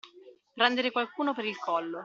Prendere qualcuno per il collo.